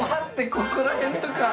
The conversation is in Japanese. ここら辺とか。